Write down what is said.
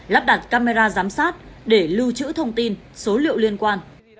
lắp đặt camera giám sát để lưu trữ thông tin số liệu liên quan